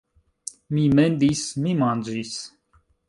Mi mendis... mi manĝis